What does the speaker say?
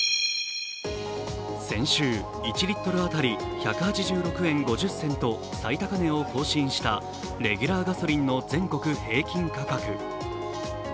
先週、１リットル当たり１８６円５０銭と最高値を更新した、レギュラーガソリンの全国平均価格。